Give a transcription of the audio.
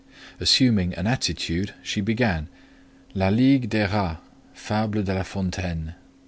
Assuming an attitude, she began, "La Ligue des Rats: fable de La Fontaine."